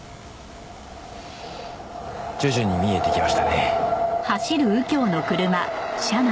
徐々に見えてきましたね。